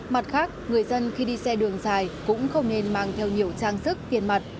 mặt khác người dân khi đi xe đường dài cũng không nên mang theo nhiều trang sức tiền mặt